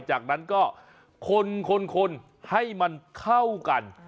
จากนั้นก็คนให้มันเข้ากัน